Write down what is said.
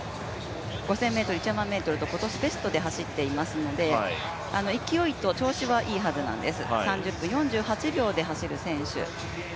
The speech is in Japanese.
５０００ｍ、１００００ｍと今年ベストで走っていますので勢いと調子はいいはずなんです、３０分４８秒で走る選手。